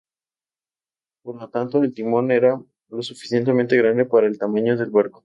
Por lo tanto, el timón era lo suficientemente grande para el tamaño del barco.